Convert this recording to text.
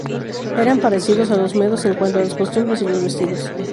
Eran parecidos a los medos en cuanto a las costumbres y los vestidos.